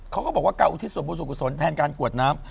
เขาก็บอกว่าการอุทิศสมบูรณ์สุขสนแทนการกรวดน้ำ